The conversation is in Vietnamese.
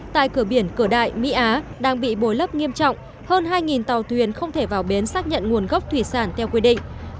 tại cửa biển cửa đại mỹ á đang bị bôi lấp nghiêm trọng hơn hai tàu thuyền không thể vào bến xác nhận nguồn gốc thủy sản theo quy định